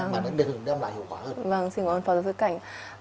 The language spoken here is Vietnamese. mà nó đều đem lại hiệu quả hơn